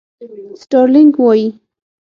سټارلېنک وایي.